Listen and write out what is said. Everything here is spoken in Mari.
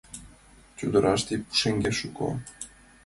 Чодыраште пушеҥге шуко -